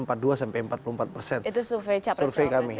itu survei capres jawa barat ya